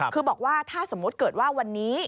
คือบอกว่าถ้าสมมุติเกิดว่าวันนี้